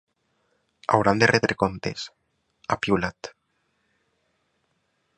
Hauran de retre comptes, ha piulat.